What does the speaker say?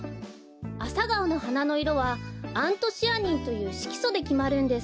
アサガオのはなのいろはアントシアニンというしきそできまるんです。